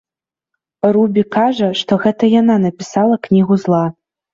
Рубі кажа, што гэта яна напісала кнігу зла.